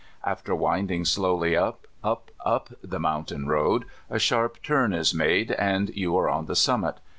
After winding slowly up, up, up the mountain road, a sharp turn is made, and you are on the summit.